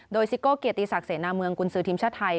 โดยซิโก้เกียรติศักดิเสนาเมืองกุญสือทีมชาติไทย